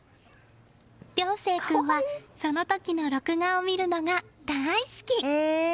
正君はその時の録画を見るのが大好き。